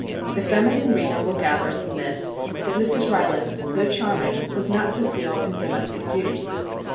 The feminine reader will gather from this that Mrs. Rylands, though charming, was not facile in domestic duties.